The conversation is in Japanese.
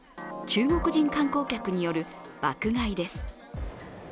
中国人観光客による爆買いです。